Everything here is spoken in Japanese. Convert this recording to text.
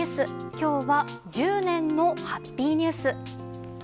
今日は１０年のハッピーニュース。